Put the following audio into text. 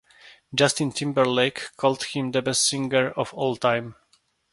Justin Timberlake called him the best singer of all time.